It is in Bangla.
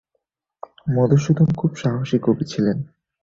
মধুসূদন খুব সাহসী কবি ছিলেন।